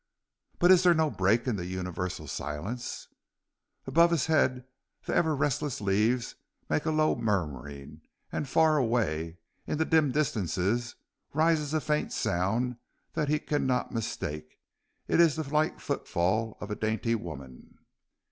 But is there no break in the universal silence? Above his head the ever restless leaves make a low murmuring, and far away in the dim distances rises a faint sound that he cannot mistake; it is the light footfall of a dainty woman.